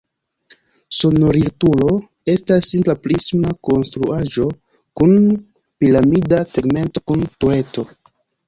Sonorilturo estas simpla prisma konstruaĵo kun piramida tegmento kun tureto.